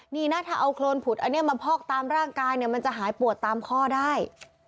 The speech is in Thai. นี่นะถ้าเอาโครนผุดอันนี้มาพอกตามร่างกายเนี่ยมันจะหายปวดตามข้อได้